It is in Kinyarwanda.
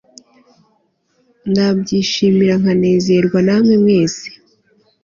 nabyishimira nkanezeranwa namwe mwese